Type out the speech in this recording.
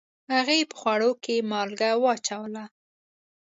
هغې په خوړو کې مالګه واچوله